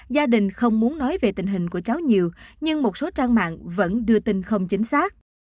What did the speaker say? gia đình không muốn nói về tình hình của cháu nhiều nhưng một số trang mạng vẫn đưa tin không chính xác